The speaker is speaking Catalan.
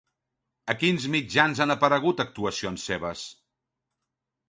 A quins mitjans han aparegut actuacions seves?